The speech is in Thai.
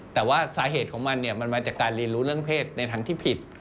แต่ว่าสาเหตุของมันเนี่ยมันมาจากการเรียนรู้เรื่องเพศในทางที่ผิด